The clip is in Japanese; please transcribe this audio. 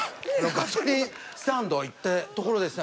ガソリンスタンド行ったところですね。